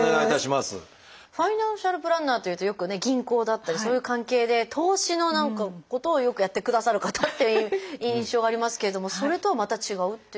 ファイナンシャルプランナーというとよくね銀行だったりそういう関係で投資のことをよくやってくださる方っていう印象がありますけれどもそれとはまた違うっていうこと？